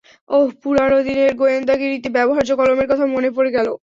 অহ, পুরানো দিনের গোয়েন্দাগিরিতে ব্যবহার্য কলমের কথা মনে পড়ে গেল।